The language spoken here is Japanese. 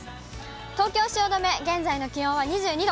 東京・汐留、現在の気温は２２度。